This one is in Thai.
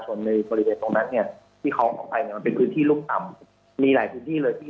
ส่วนในบริเวณตรงนั้นเนี่ยที่คล้องออกไปเนี่ยมันเป็นพื้นที่รุ่มต่ำมีหลายพื้นที่เลยที่